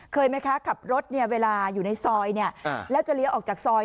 ไหมคะขับรถเนี่ยเวลาอยู่ในซอยแล้วจะเลี้ยวออกจากซอย